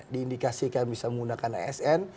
diindikasikan bisa menggunakan asn